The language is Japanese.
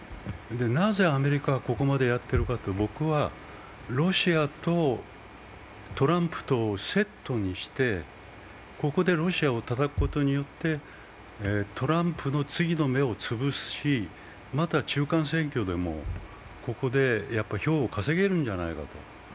なぜアメリカはここまでやっているかというと、僕はロシアとトランプとをセットにして、ここでロシアをたたくことによって、トランプの次の芽を潰し、また、中間選挙でもここで票を稼げるんじゃないかと。